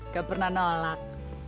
gak pernah nolak